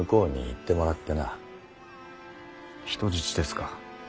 人質ですか。